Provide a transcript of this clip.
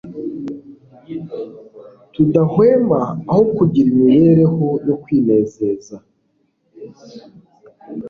tudahwema, aho kugira imibereho yo kwinezeza.